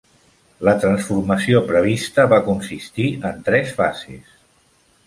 La transformació prevista va consistir en tres fases.